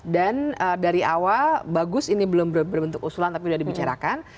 dan dari awal bagus ini belum berbentuk usulan tapi sudah dibicarakan